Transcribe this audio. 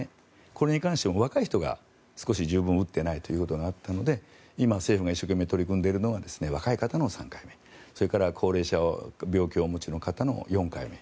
これに関しては若い人が少し十分打ってないということがあったので今、政府が一生懸命取り組んでいるのが若い方の３回目それから高齢者病気をお持ちの方の４回目。